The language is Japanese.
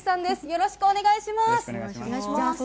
よろしくお願いします。